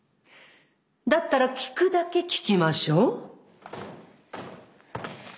だったら聞くだけ聞きましょう。